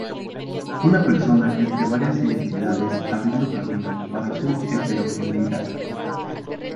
Una persona entre varias identidades abriendo camino para su heterogeneidad.